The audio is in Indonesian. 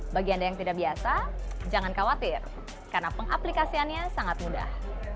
bagi anda yang tidak biasa jangan khawatir karena pengaplikasiannya sangat mudah